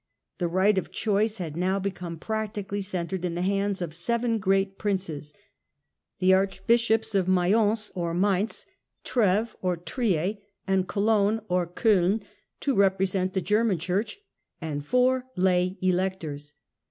The right of choice had now become practically centred in the hands of seven great Princes ; the Arch bishops of Mayence (Mainz), Treves (Trier) and Co logne (Koln), to represent the German Church, and four lay Electors.